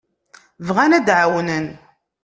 Bɣan ad d-εawnen.